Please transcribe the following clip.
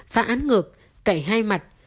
phá án ngược cẩy hai mặt